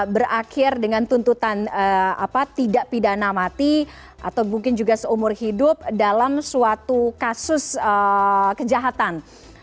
berakhir dengan tuntutan tidak pidana mati atau mungkin juga seumur hidup dalam suatu kasus kejahatan